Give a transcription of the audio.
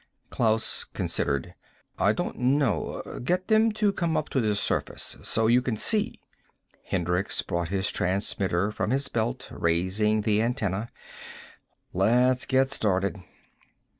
Klaus considered. "I don't know. Get them to come up to the surface. So you can see." Hendricks brought his transmitter from his belt, raising the antenna. "Let's get started."